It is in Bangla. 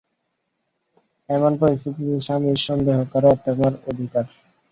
এমন পরিস্থিতিতে, স্বামীরে সন্দেহ করা তোমার অধিকার।